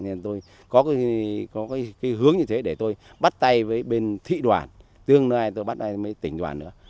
nên tôi có cái hướng như thế để tôi bắt tay với bên thị đoàn tương lai tôi bắt tay với tỉnh đoàn nữa